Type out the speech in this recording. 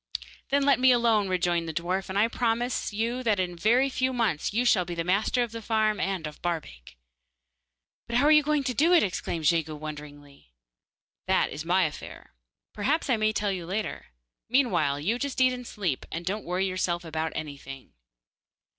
'Then let me alone,' rejoined the dwarf, 'and I promise you that in a very few months you shall be master of the farm and of Barbaik.' 'But how are you going to do it?' exclaimed Jegu wonderingly. 'That is my affair. Perhaps I may tell you later. Meanwhile you just eat and sleep, and don't worry yourself about anything.